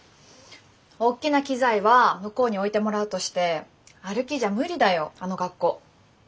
おっきな機材は向こうに置いてもらうとして歩きじゃ無理だよあの学校。